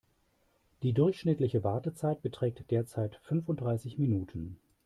Die durchschnittliche Wartezeit beträgt derzeit fünfunddreißig Minuten.